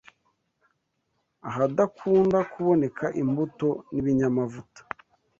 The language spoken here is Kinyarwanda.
ahadakunda kuboneka imbuto n’ibinyamavuta,